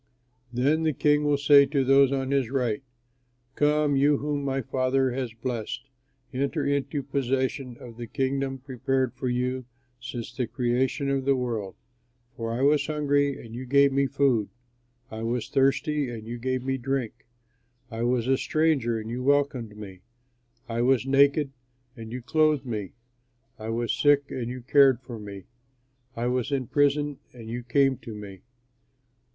"Then the King will say to those on his right, 'Come, you whom my Father has blessed, enter into possession of the kingdom prepared for you since the creation of the world; for I was hungry and you gave me food, I was thirsty and you gave me drink, I was a stranger and you welcomed me, I was naked and you clothed me, I was sick and you cared for me, I was in prison and you came to me.'